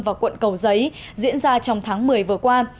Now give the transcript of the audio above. và quận cầu giấy diễn ra trong tháng một mươi vừa qua